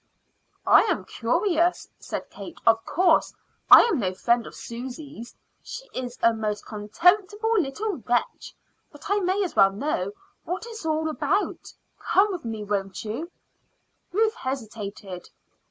"I am curious," said Kate. "Of course, I am no friend of Susy's; she is a most contemptible little wretch; but I may as well know what it is all about. Come with me, won't you?" Ruth hesitated.